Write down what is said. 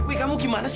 iya udah deh